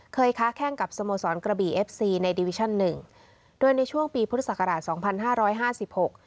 ค้าแข้งกับสโมสรกระบีเอฟซีในดิวิชั่นหนึ่งโดยในช่วงปีพุทธศักราชสองพันห้าร้อยห้าสิบหก